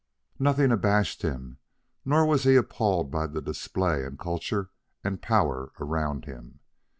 Nothing abashed him, nor was he appalled by the display and culture and power around him.